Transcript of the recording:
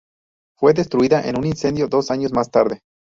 Fue destruida en un incendio dos años más tarde.